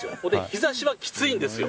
日ざしはきついんですよ。